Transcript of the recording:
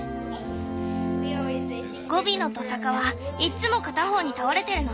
ゴビのトサカはいっつも片方に倒れてるの。